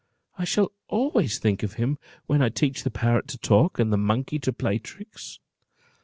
I shall always think of him when I teach the parrot to talk, and the monkey to play tricks.